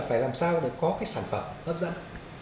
phải làm sao để có cái sản phẩm hấp dẫn